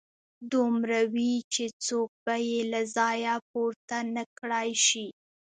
دومره وي چې څوک به يې له ځايه پورته نه کړای شي.